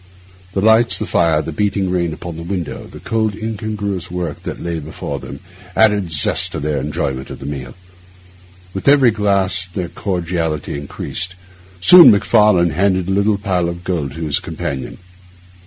The lights, the fire, the beating rain upon the window, the cold, incongruous work that lay before them, added zest to their enjoyment of the meal. With every glass their cordiality increased. Soon Macfarlane handed a little pile of gold to his companion.